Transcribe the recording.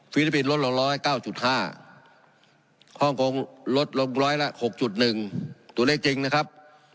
ฟิลิปปินส์ลดลง๑๐๐และ๙๕ห้องกงลดลง๑๐๐และ๖๑ตัวเลขจริงนะครับ